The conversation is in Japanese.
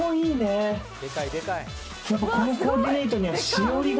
やっぱこのコーディネートにはしおりが。